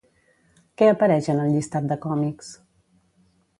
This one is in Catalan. Què apareix en el llistat de còmics?